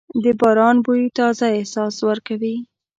د باران بوی تازه احساس ورکوي.